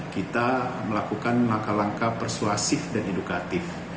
kita melakukan langkah langkah persuasif dan edukatif